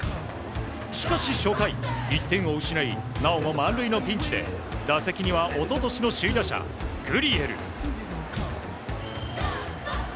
しかし初回、１点を失いなおも満塁のピンチで打席には一昨年の首位打者グリエル。